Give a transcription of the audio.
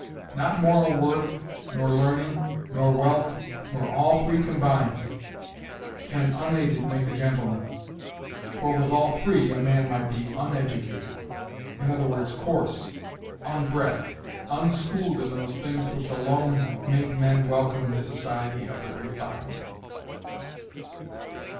Not moral worth, nor learning, nor wealth, nor all three combined, can unaided make a gentleman, for with all three a man might be uneducated i. e., coarse, unbred, unschooled in those things which alone make men welcome in the society of the refined.